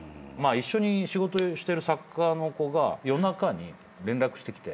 一緒に仕事してる作家の子が夜中に連絡してきて。